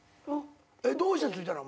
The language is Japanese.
どうしてついたの？